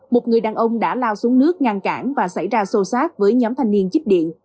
một người đàn ông đã lao xuống nước ngăn cản và xảy ra sâu sát với nhóm thanh niên chích điện